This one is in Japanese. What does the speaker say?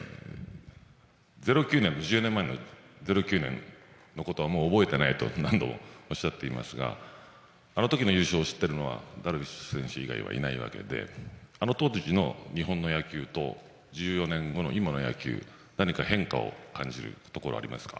１０年前のことはもう覚えていないと何度もおっしゃっていますがあの時の優勝を知っているのはダルビッシュ選手以外はいないわけであの当時の日本の野球と１４年後の今の野球何か変化を感じるところありますか？